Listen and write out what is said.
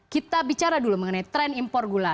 kita bicara dulu mengenai tren impor gula